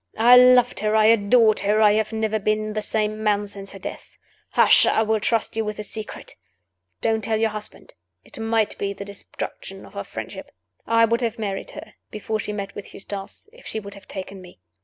I loved her; I adored her; I have never been the same man since her death. Hush! I will trust you with a secret. (Don't tell your husband; it might be the destruction of our friendship.) I would have married her, before she met with Eustace, if she would have taken me.